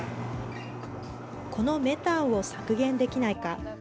このメタンを削減できないか。